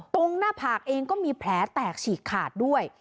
หน้าผากเองก็มีแผลแตกฉีกขาดด้วย